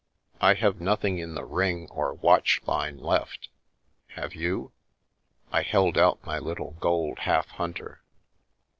" I have nothing in the ring or watch line left. Have you?" I held out my little gold half hunter.